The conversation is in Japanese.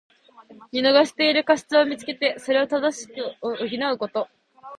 見逃している過失をみつけて、それを正し補うこと。